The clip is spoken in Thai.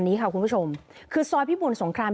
นี้ค่ะคุณผู้ชมคือซอยพิบูรสงคราม